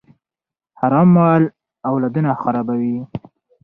حرام مال اولادونه خرابوي.